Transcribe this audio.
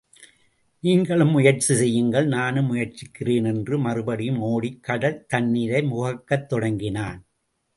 நீங்களும் முயற்சி செய்யுங்கள் நானும் முயற்சிக்கிறேன் என்று மறுபடியும் ஓடிக் கடல் தண்ணீரை முகக்கத் தொடங்கினான்.